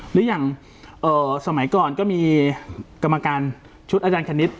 หรืออย่างสมัยก่อนก็มีกรรมการชุดอาจารย์คณิต